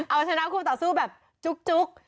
เอาชนะคู่ต่อสู้แบบจุ๊ก